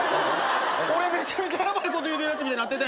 俺めちゃめちゃヤバいこと言うてるやつみたいになってた。